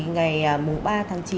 ngày ba tháng chín